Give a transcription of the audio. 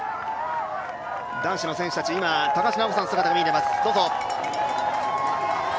男子の選手たち、高橋さんの姿が見えています。